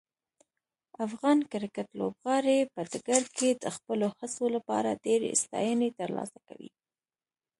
افغان کرکټ لوبغاړي په ډګر کې د خپلو هڅو لپاره ډیرې ستاینې ترلاسه کوي.